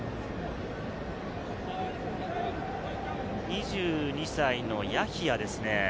２２歳のヤヒヤですね。